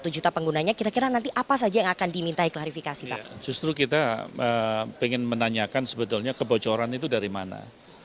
justru kita ingin menanyakan sebetulnya kebocoran itu dari mana